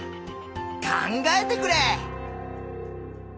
考えてくれ！